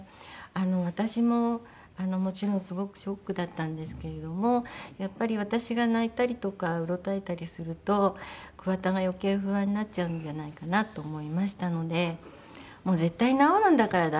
私ももちろんすごくショックだったんですけれどもやっぱり私が泣いたりとかうろたえたりすると桑田が余計不安になっちゃうんじゃないかなと思いましたので「絶対治るんだから大丈夫だよ。